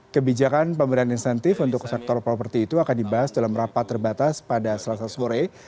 kebijakan pemberian insentif untuk sektor properti itu akan dibahas dalam rapat terbatas pada selasa sore